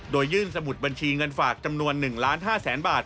โดยยื่นสมุดบัญชีเงินฝากจำนวน๑๕๐๐๐๐๐บาท